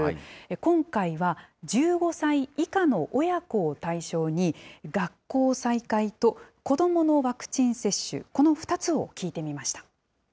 今回は、１５歳以下の親子を対象に、学校再開と子どものワクチン接種、この２つを聞いてみました。